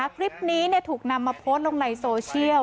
คลิปนี้ถูกนำมาโพสต์ลงในโซเชียล